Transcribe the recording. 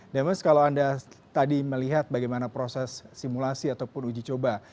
demes kalau anda tadi melihat bagaimana proses simulasi ataupun uji coba